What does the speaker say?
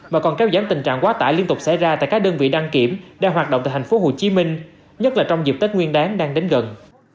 mà còn kéo giảm tình trạng quá tải liên tục xảy ra tại các đơn vị đăng kiểm đang hoạt động tại tp hcm nhất là trong dịp tết nguyên đáng đang đến gần